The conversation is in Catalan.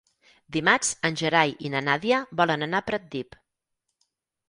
Dimarts en Gerai i na Nàdia volen anar a Pratdip.